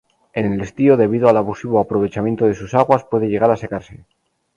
En el estío, debido al abusivo aprovechamiento de sus aguas, puede llegar a secarse.